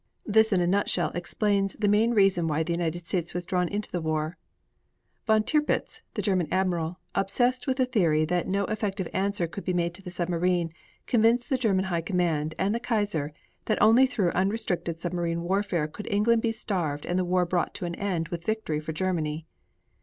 This in a nut shell explains the main reason why the United States was drawn into the World War. Von Tirpitz, the German Admiral, obsessed with the theory that no effective answer could be made to the submarine, convinced the German High Command and the Kaiser that only through unrestricted submarine warfare could England be starved and the war brought to an end with victory for Germany.